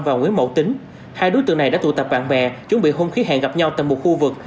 và nguyễn mậu tính hai đối tượng này đã tụ tập bạn bè chuẩn bị hung khí hẹn gặp nhau tại một khu vực